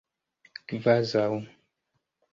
kvazaŭ